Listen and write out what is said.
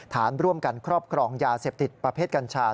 ฐานร่วมกันครอบครองยาเสพติดประเภทกัญชา